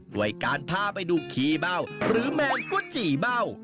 ด้วยการพาไปดูขี้เบาหรือแมงกุจจิเบา